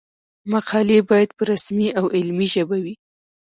مقالې باید په رسمي او علمي ژبه وي.